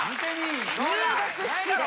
入学式で？